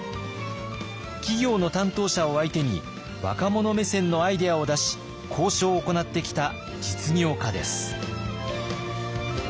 企業の担当者を相手に若者目線のアイデアを出し交渉を行ってきた実業家です。